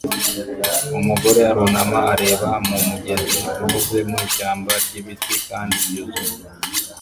Umugore arunama areba mu mugezi unyuze mu ishyamba ry’ibiti kandi ryuzuye